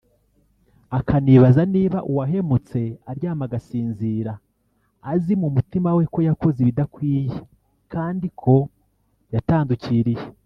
akanibaza niba uwahemutse aryama agasinzira azi mu mutima we ko yakoze ibidakwiye kandi ko yatandukiriye